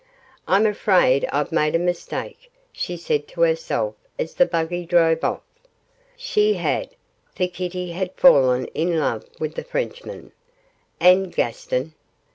'I'm afraid I've made a mistake,' she said to herself as the buggy drove off. She had, for Kitty had fallen in love with the Frenchman. And Gaston?